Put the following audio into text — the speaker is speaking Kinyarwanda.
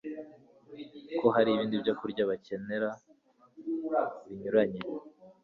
ko hari ibindi byokurya bakenera binyuranye